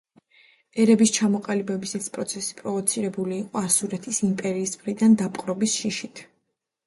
ერების ჩამოყალიბების ეს პროცესი პროვოცირებული იყო ასურეთის იმპერიის მხრიდან დაპყრობის შიშით.